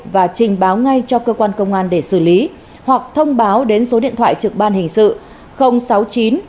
và trình báo ngay cho cơ quan công an để xử lý hoặc thông báo đến số điện thoại trực ban hình sự